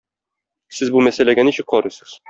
Сез бу мәсьәләгә ничек карыйсыз?